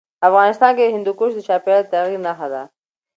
افغانستان کې هندوکش د چاپېریال د تغیر نښه ده.